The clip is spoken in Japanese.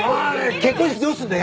結婚式どうすんだ？